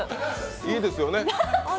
いいですね？